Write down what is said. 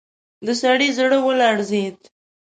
د سړي زړه ولړزېد.